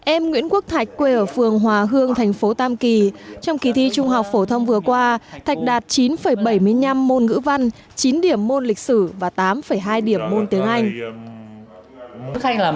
em nguyễn quốc thạch quê ở phường hòa hương thành phố tam kỳ trong kỳ thi trung học phổ thông vừa qua thạch đạt chín bảy mươi năm môn ngữ văn chín điểm môn lịch sử và tám hai điểm môn tiếng anh